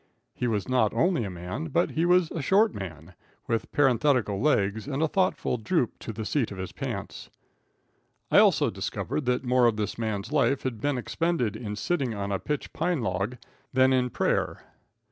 He was not only a man, but he was a short man, with parenthetical legs and a thoughtful droop to the seat of his pants. I also discovered that more of this man's life had been expended in sitting on a pitch pine log than in prayer.